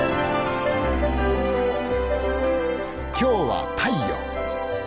今日は「太陽」。